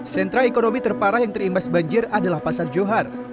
sentra ekonomi terparah yang terimbas banjir adalah pasar johar